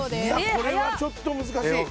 これはちょっと難しい。